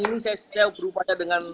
ini saya berupaya dengan